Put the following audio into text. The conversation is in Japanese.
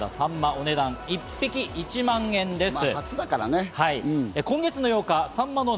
お値段１匹１万円です。